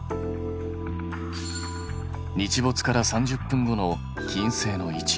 日没から３０分後の金星の位置。